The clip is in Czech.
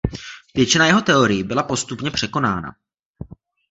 Většina jeho teorií byla postupně překonána.